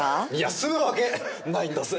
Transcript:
住むわけないんだぜ。